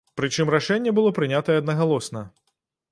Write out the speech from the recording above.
Прычым рашэнне было прынятае аднагалосна.